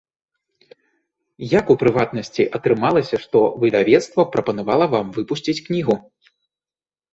Як, у прыватнасці, атрымалася, што выдавецтва прапанавала вам выпусціць кнігу?